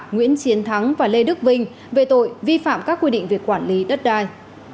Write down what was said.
nguyễn chiến thắng và lê đức vinh về tội vi phạm các quy định về quản lý đất đai